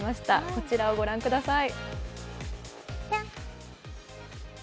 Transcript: こちらをご覧ください。